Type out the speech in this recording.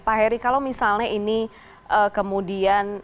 pak heri kalau misalnya ini kemudian